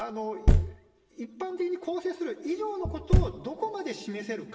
一般的に更生する以上のことを、どこまで示せるか。